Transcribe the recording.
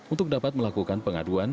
untuk dapat melakukan pengaduan